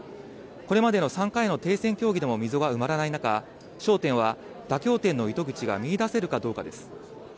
これまでの３回の停戦協議でも溝が埋まらない中、焦点は、妥協点の糸口が見いだせるかどうかです。